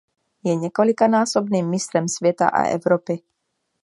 Je několikanásobným mistrem světa a Evropy.